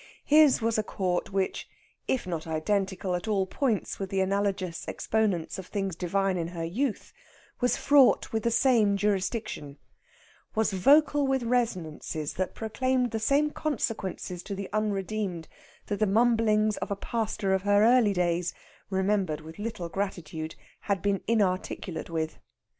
His was a court which, if not identical at all points with the analogous exponents of things Divine in her youth, was fraught with the same jurisdiction; was vocal with resonances that proclaimed the same consequences to the unredeemed that the mumblings of a pastor of her early days, remembered with little gratitude, had been inarticulate with.